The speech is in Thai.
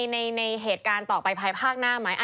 ในเหตุการณ์ต่อไปภายภาคหน้าไหม